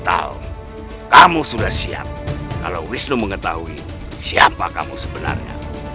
tahu kamu sudah siap kalau wisnu mengetahui siapa kamu sebenarnya